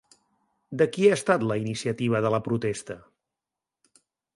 De qui ha estat la iniciativa de la protesta?